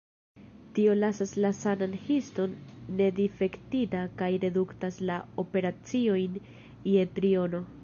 Tio lasas la sanan histon nedifektita kaj reduktas la operaciojn je triono.